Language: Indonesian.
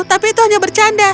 tapi itu hanya bercanda